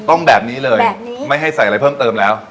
แบบนี้เลยไม่ให้ใส่อะไรเพิ่มเติมแล้ว